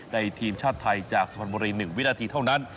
ในทีมชาติไทยจากสมรรยี๑วินาทีเท่านั้น